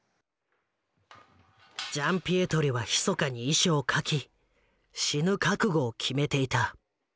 ジャンピエトリはひそかに遺書を書き死ぬ覚悟を決めていた。